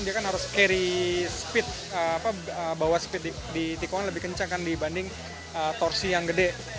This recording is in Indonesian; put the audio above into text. dia kan harus carry speed bawa speed di tikungan lebih kencang kan dibanding torsi yang gede